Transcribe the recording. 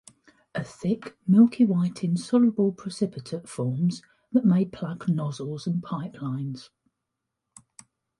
A thick, milky-white insoluble precipitate forms that may plug nozzles and pipelines.